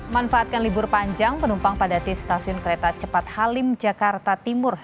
manfaatkan libur panjang penumpang padati stasiun kereta cepat halim jakarta timur